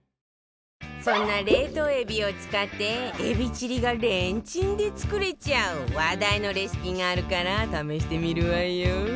そんな冷凍エビを使ってエビチリがレンチンで作れちゃう話題のレシピがあるから試してみるわよ